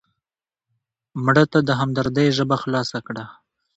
مړه ته د همدردۍ ژبه خلاصه کړه